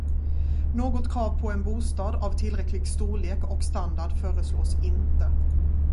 Något krav på en bostad av tillräcklig storlek och standard föreslås inte.